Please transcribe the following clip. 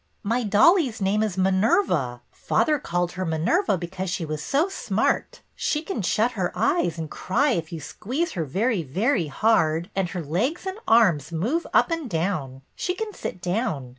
' My dolly's name is Minerva. Father called her Minerva because she was so smart; she can shut her eyes and cry if you squeeze her very, very hard, and her legs and arms move up and down; she can sit down.